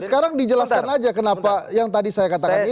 sekarang dijelaskan aja kenapa yang tadi saya katakan ini